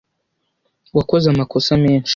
Wakoze amakosa menshi.